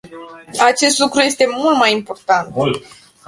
Acest lucru este mult mai important.